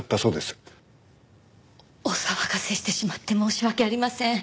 お騒がせしてしまって申し訳ありません。